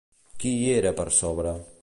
Qui hi era per sobre?